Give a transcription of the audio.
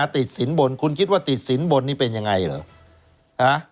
ติดสินบนคุณคิดว่าติดสินบนนี่เป็นยังไงเหรอ